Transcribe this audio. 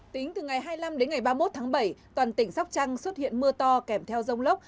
tính từ ngày hai mươi năm đến ngày ba mươi một tháng bảy toàn tỉnh sóc trăng xuất hiện mưa to kèm theo rông lốc